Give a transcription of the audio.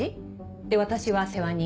で私は世話人。